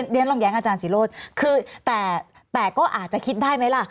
เรียนลองแย้งอาจารย์ศิโรธคือแต่ก็อาจจะคิดได้ไหมล่ะ